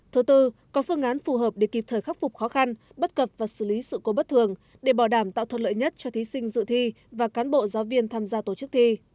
thứ tư có phương án phù hợp để kịp thời khắc phục khó khăn bất cập và xử lý sự cố bất thường để bảo đảm tạo thuận lợi nhất cho thí sinh dự thi và cán bộ giáo viên tham gia tổ chức thi